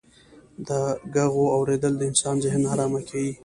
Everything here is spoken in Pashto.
د ږغو اورېدل د انسان ذهن ناآرامه کيي.